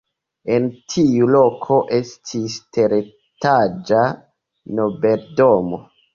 En tiu loko estis teretaĝa nobeldomo.